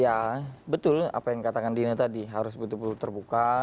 ya betul apa yang katakan dina tadi harus betul betul terbuka